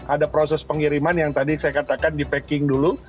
ada proses pengiriman yang tadi saya katakan di packing dulu